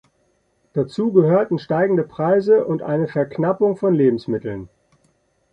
Dazu gehörten steigende Preise und eine Verknappung von Lebensmitteln.